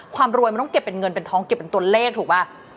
ความรวยมันต้องเก็บเป็นเงินเป็นทองเก็บเป็นตัวเลขถูกป่ะ